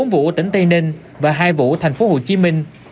bốn vụ ở tỉnh tây ninh và hai vụ thành phố hồ chí minh